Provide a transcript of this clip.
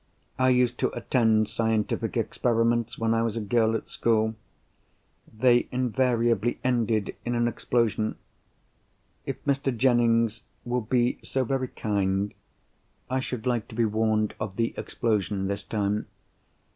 I used to attend scientific experiments when I was a girl at school. They invariably ended in an explosion. If Mr. Jennings will be so very kind, I should like to be warned of the explosion this time.